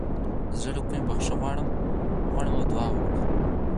د زړه له کومې بخښنه وغواړو او دعا وکړو.